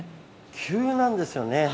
急なんですよね。